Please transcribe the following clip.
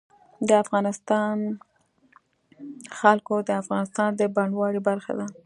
د افغانستان جلکو د افغانستان د بڼوالۍ برخه ده.